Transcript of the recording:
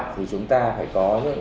thì chúng ta phải có những tiền đề